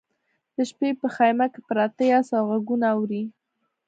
د شپې په خیمه کې پراته یاست او غږونه اورئ